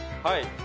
はい。